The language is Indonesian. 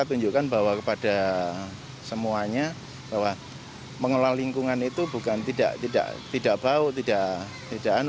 kita tunjukkan kepada semuanya bahwa mengelola lingkungan itu bukan tidak bau tidak anu